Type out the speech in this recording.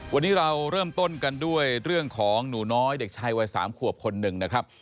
วันนี้เราเริ่มต้นกันด้วยเรื่องของหนูน้อยเด็กชายวัย๓ขวบคนหนึ่งนะครับ